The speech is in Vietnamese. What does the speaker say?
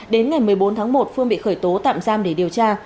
đến ngày một mươi bốn tháng một phương bị khởi tố tạm giam để điều tra